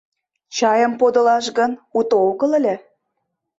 — Чайым подылаш гын, уто огыл ыле...